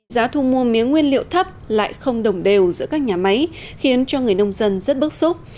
giá thu mua mía nguyên liệu thấp lại không đồng đều giữa các nhà máy khiến cho người nông dân rất bức xúc